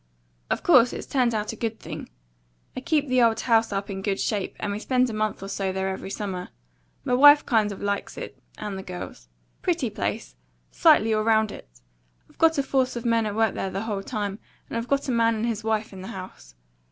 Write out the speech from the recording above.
Of course, it's turned out a good thing. I keep the old house up in good shape, and we spend a month or so there every summer. M' wife kind of likes it, and the girls. Pretty place; sightly all round it. I've got a force of men at work there the whole time, and I've got a man and his wife in the house.